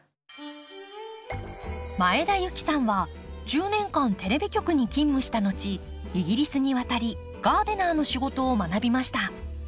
前田有紀さんは１０年間テレビ局に勤務した後イギリスに渡りガーデナーの仕事を学びました。